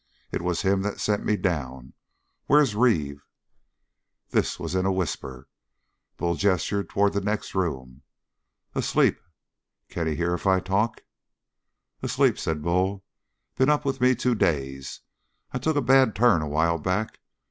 "It was him that sent me down! Where's Reeve?" This was in a whisper. Bull gestured toward the next room. "Asleep? Can he hear if I talk?" "Asleep," said Bull. "Been up with me two days. I took a bad turn a while back.